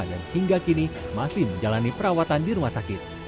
dan hingga kini masih menjalani perawatan di rumah sakit